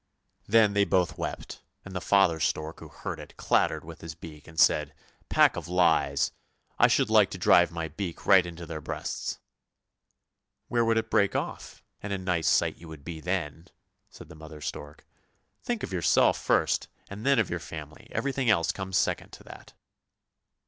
Then they both wept, and the father stork who heard it clattered with his beak and said. " Pack of lies; I should like to drive my beak right into their breasts !'' Where it would break off, and a nice sight vou would be then," said the mother stork. " Think of yourself first and then of your family, everything else comes second to that